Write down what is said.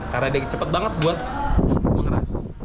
karena dia cepat banget buat mengeras